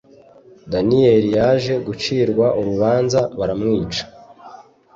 Daniyeli yaje gucirwa urubanza baramwica